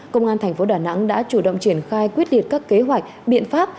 công an thành phố đà nẵng đã chủ động triển khai quyết liệt các kế hoạch biện pháp